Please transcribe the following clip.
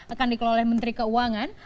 akan dikelola menteri keuangan